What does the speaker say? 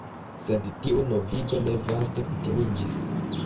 Sed tiu novigo ne vaste kutimiĝis.